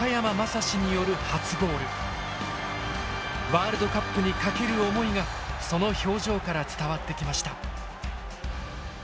ワールドカップにかける思いがその表情から伝わってきました。